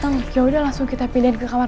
ini kamu malah terangin ke aku sih